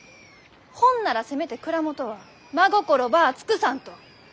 ほんならせめて蔵元は真心ばあ尽くさんと。